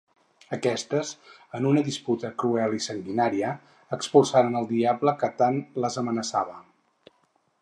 Aquestes, en una disputa cruel i sanguinària, expulsaren el diable que tant les amenaçava.